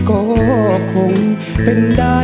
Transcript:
โอ้โห